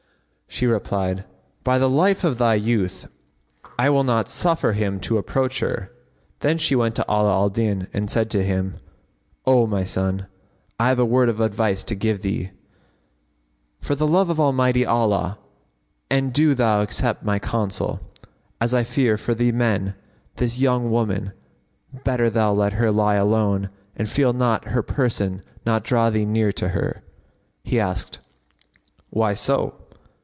She answered, "By the life of thy youth,[FN#55] I will not suffer him to approach her!" Then she went to Ala al Din and said to him, "O my son, I have a word of advice to give thee, for the love of Almighty Allah and do thou accept my counsel, as I fear for thee from this young woman: better thou let her lie alone and feel not her person nor draw thee near to her." He asked, "Why so?"